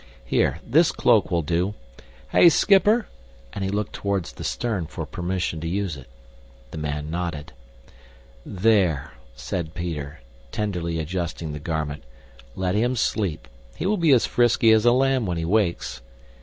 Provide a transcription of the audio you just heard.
Here, this cloak will do. Hey, schipper?" and he looked toward the stern for permission to use it. The man nodded. "There," said Peter, tenderly adjusting the garment, "let him sleep. He will be as frisky as a lamb when he wakes.